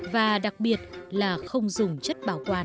và đặc biệt là không dùng chất bảo quản